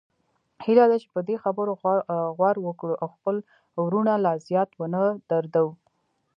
هیله ده په دې خبرو غور وکړو او خپل وروڼه لا زیات ونه دردوو